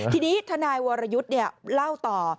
ทีนี้ธนายวรยุทธเนี่ยเล่าต่อ